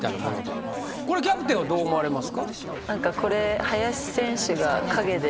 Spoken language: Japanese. これキャプテンはどう思われますか？